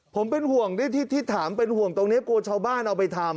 ผมเป็นห่วงที่ถามเป็นห่วงตรงนี้กลัวชาวบ้านเอาไปทำ